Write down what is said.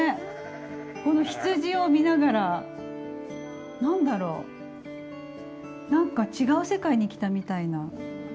この羊を見ながら、何だろうなんか違う世界に来たみたいな。